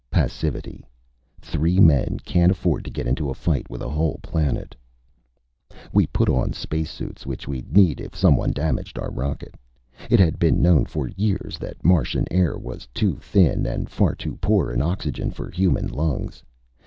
"Passivity. Three men can't afford to get into a fight with a whole planet." We put on spacesuits, which we'd need if someone damaged our rocket. It had been known for years that Martian air was too thin and far too poor in oxygen for human lungs.